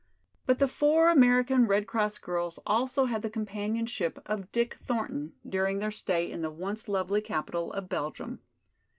But the four American Red Cross girls also had the companionship of Dick Thornton during their stay in the once lovely capital of Belgium.